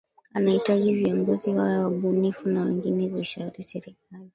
Anahitaji viongozi wawe wabunifu na waweze kuishauri Serikali